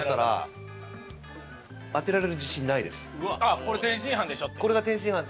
「これ天津飯でしょ」って。